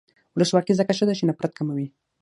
ولسواکي ځکه ښه ده چې نفرت کموي.